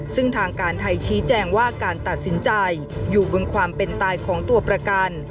ซึ่งทางการไทยชี้แจงว่าการตัดสินใจอยู่บนความเป็นตายของตัวประกัน